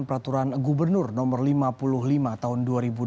peraturan gubernur no lima puluh lima tahun dua ribu dua puluh